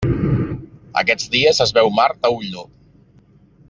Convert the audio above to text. Aquests dies es veu Mart a ull nu.